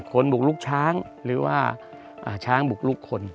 คนบุกลุกช้างหรือว่าช้างบุกลุกคน